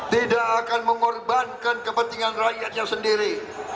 tidak akan mengorbankan kepentingan rakyatnya sendiri